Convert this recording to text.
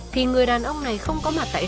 thì người đàn ông này không có mặt tại